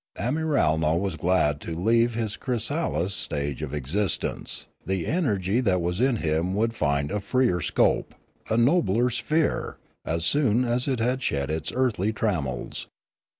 Amiralno was glad to leave his chrysalis stage of existence; the energy that was in him would find a freer scope, a nobler sphere, as soon as it had shed its earthly trammels.